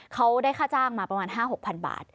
เขาได้ค่าจ้างมาประมาณ๕๖๐๐๐บาท